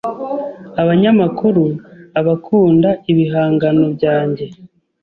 abanyamakuru, abakunda ibihangano byange